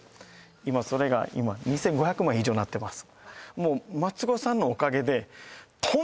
今それが今２５００万以上なってます